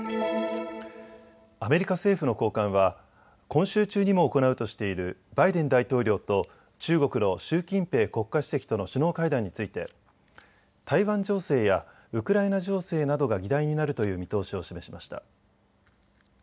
アメリカ政府の高官は今週中にも行うとしているバイデン大統領と中国の習近平国家主席との首脳会談について台湾情勢やウクライナ情勢などが議題になるという見通しを示しました。